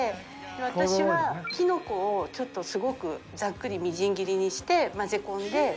私はキノコをちょっとすごくざっくりみじん切りにして混ぜ込んで。